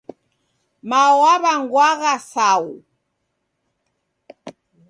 Mao waw'angwagha Sau.